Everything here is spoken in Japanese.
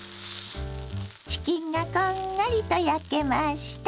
チキンがこんがりと焼けました。